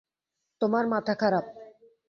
তোমার মাথা খারাপ।